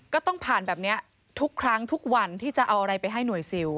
ก็ต้องผ่านแบบนี้ทุกครั้งทุกวันที่จะเอาอะไรไปให้หน่วยซิล